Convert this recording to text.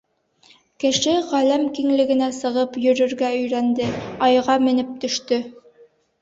Кеше ғаләм киңлегенә сығып йөрөргә өйрәнде, Айға менеп төштө.